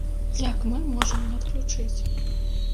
Як мы можам не адключыць?